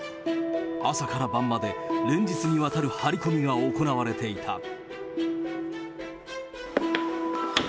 朝から晩まで、連日にわたる張り込みが行われていた。